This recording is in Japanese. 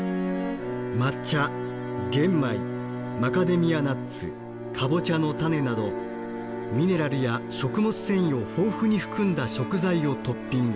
抹茶玄米マカデミアナッツカボチャの種などミネラルや食物繊維を豊富に含んだ食材をトッピング。